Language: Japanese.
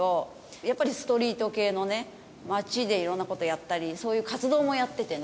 やっぱりストリート系のね街で色んな事をやったりそういう活動もやっててね